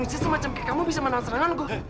manusia semacam kayak kamu bisa menang serangan guh